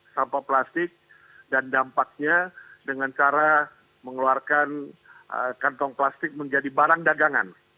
sampah plastik dan dampaknya dengan cara mengeluarkan kantong plastik menjadi barang dagangan